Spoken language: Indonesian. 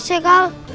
ya juga sih kak